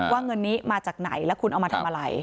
เงินนี้มาจากไหนแล้วคุณเอามาทำอะไร